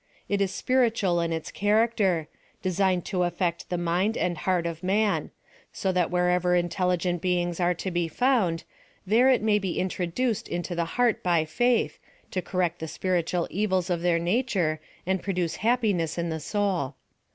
It is spiritual in its character; designed to affect the mind and heart of man ; so that wherever intelligent beings are to be found, there it may be introduced into the heart by faith, to correct the spiritual evils of their nature, and produce happiness in the soul.